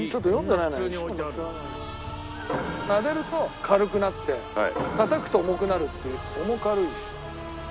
なでると軽くなってたたくと重くなるっていう重軽石。